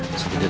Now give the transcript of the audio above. masuk tidur ya